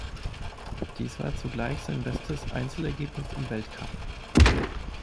Dies war zugleich sein bestes Einzelergebnis im Weltcup.